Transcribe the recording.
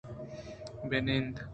بہ نند